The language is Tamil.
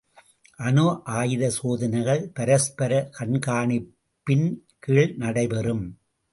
அணு ஆயுத சோதனைகள் பரஸ்பர கண்காணிப்பின் கீழ் நடைபெறும்.